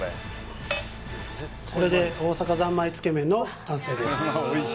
これで大阪ざんまいつけ麺の完成です